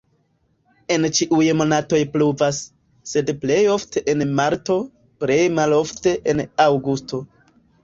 En ĉiuj monatoj pluvas, sed plej ofte en marto, plej malofte en aŭgusto.